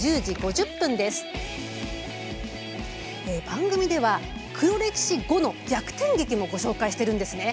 番組では黒歴史後の逆転劇もご紹介しているんですね。